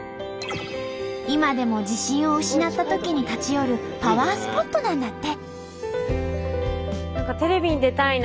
今でも自信を失ったときに立ち寄るパワースポットなんだって。